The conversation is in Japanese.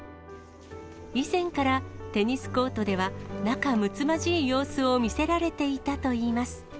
以前から、テニスコートでは仲むつまじい様子を見せられていたといいます。